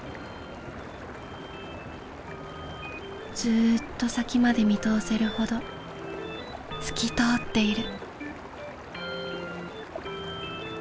ずっと先まで見通せるほど透き通っている。